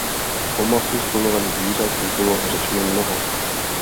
O masu z klonovaných zvířat už bylo řečeno mnoho.